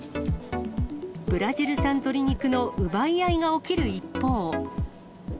ブラジル産鶏肉の奪い合いが起きる一方。